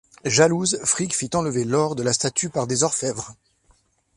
Jalouse, Frigg fit enlever l'or de la statue par des orfèvres.